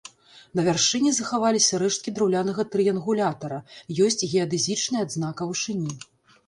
На вяршыні захаваліся рэшткі драўлянага трыянгулятара, ёсць геадэзічная адзнака вышыні.